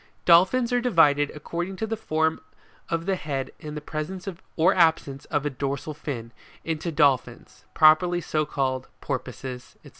Dolphins are divided, according to the form of the head and the presence or absence of a dorsal fin, into Dolphins properly so called, Porpoises, &c.